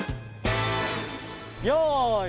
よい。